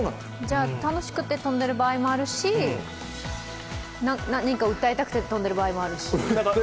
楽しくて跳んでる場合もあるし、何か訴えたくて跳んでる場合もあるし。